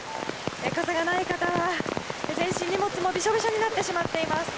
傘がない方は全身も荷物もびしょびしょになってしまっています。